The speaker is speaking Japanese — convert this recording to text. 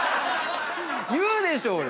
言うでしょうよ！